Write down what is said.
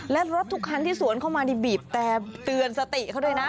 และรถทุกคันที่สวนเข้ามานี่บีบแต่เตือนสติเขาด้วยนะ